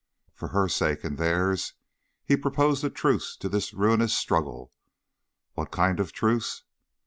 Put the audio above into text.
For her sake, and theirs, he proposed a truce to this ruinous struggle. What kind of a truce?